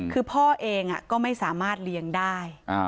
คือพ่อเองก็ไม่สามารถเลี้ยงได้